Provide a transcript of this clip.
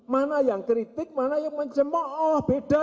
mana yang kritik mana yang menjemok oh beda